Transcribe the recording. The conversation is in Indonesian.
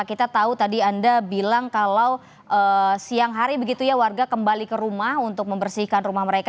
kita tahu tadi anda bilang kalau siang hari begitu ya warga kembali ke rumah untuk membersihkan rumah mereka